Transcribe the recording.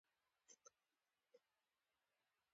زه غیبت نه کوم.